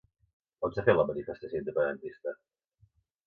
On s'ha fet la manifestació independentista?